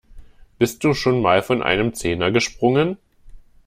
Bist du schon mal von einem Zehner gesprungen?